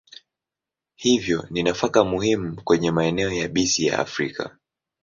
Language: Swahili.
Hivyo ni nafaka muhimu kwenye maeneo yabisi ya Afrika.